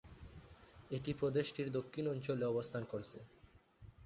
এটি প্রদেশটির দক্ষিণ অঞ্চলে অবস্থান করছে।